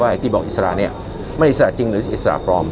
ที่บอกอิสระเนี่ยไม่อิสระจริงหรืออิสระปลอม